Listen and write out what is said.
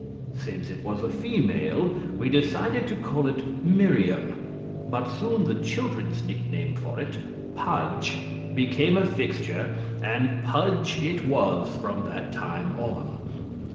Since it was a, female, we decided to call it Miriam, but soon the children's nickname for it "Pudge" became a fixture, and "Pudge" it was from that time on.